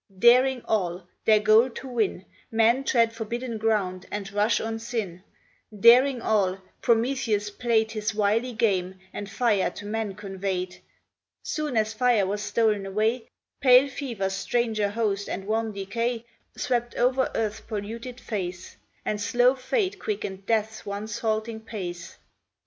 Daring all, their goal to win, Men tread forbidden ground, and rush on sin: Daring all, Prometheus play'd His wily game, and fire to man convey'd; Soon as fire was stolen away, Pale Fever's stranger host and wan Decay Swept o'er earth's polluted face, And slow Fate quicken'd Death's once halting pace.